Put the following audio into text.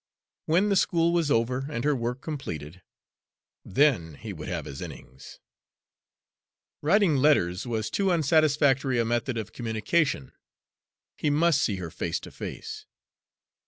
When the school was over and her work completed, then he would have his innings. Writing letters was too unsatisfactory a method of communication he must see her face to face.